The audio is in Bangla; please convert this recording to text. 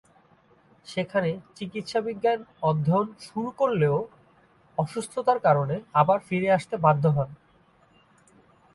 সেখানে চিকিৎসাবিজ্ঞান অধ্যয়ন শুরু করলেও অসুস্থতার কারণে আবার ফিরে আসতে বাধ্য হন।